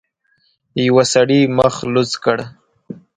يوه سړي مخ لوڅ کړ.